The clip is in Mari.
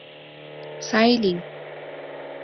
— Сай лий!